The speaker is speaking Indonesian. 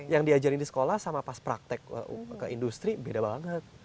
yang diajarin di sekolah sama pas praktek ke industri beda banget